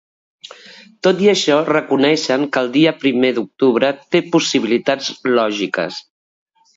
Tot i això reconeixen que el dia primer d’octubre té ‘possibilitats lògiques’.